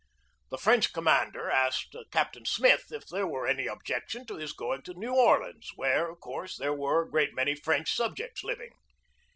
The French com mander asked Captain Smith if there were any ob jection to his going to New Orleans, where, of course, there were a great many French subjects living.